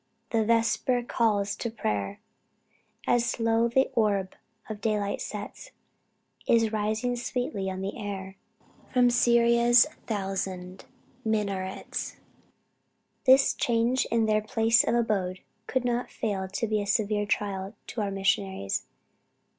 the vesper call to prayer, As slow the orb of daylight sets, Is rising sweetly on the air From Syria's thousand minarets." This change in their place of abode could not fail to be a severe trial to our missionaries.